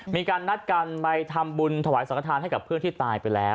มีการนัดกันไปทำบุญถวายสังฆฐานให้กับเพื่อนที่ตายไปแล้ว